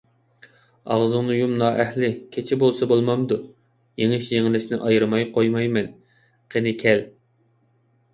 ئاغزىڭنى يۇم نائەھلى! كېچە بولسا بولمامدۇ، يېڭىش - يېڭىلىشنى ئايرىماي قويمايمەن، قېنى كەل!